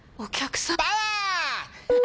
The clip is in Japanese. パワー！